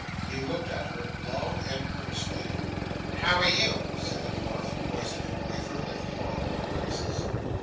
He looked at her, long and earnestly. 'How are you?' said the dwarf, moistening a wafer with horrible grimaces.